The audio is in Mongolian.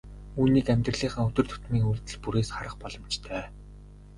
Үүнийг амьдралынхаа өдөр тутмын үйлдэл бүрээс харах боломжтой.